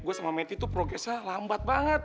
gue sama mety tuh progresnya lambat banget